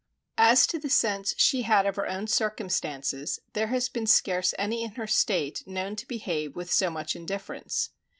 As to the sense she had of her own circumstances, there has been scarce any in her state known to behave with so much indifference.